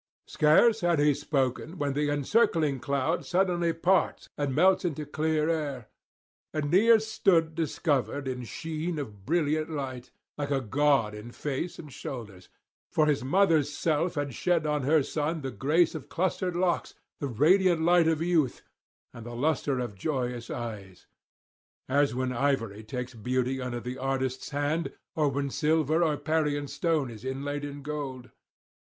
Scarce had he spoken when the encircling cloud suddenly parts and melts into clear air. Aeneas stood discovered in sheen of brilliant light, like a god in face and shoulders; for his mother's self had shed on her son the grace of clustered locks, the radiant light of youth, and the lustre of joyous eyes; as when ivory takes beauty under the artist's hand, or when silver or Parian stone is inlaid in gold.